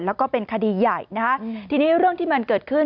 แล้วก็เป็นคดีใหญ่นะคะทีนี้เรื่องที่มันเกิดขึ้น